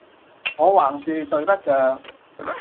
我橫豎睡不着，